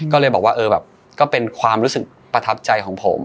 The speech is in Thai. ก็เลยบอกว่าเออแบบก็เป็นความรู้สึกประทับใจของผม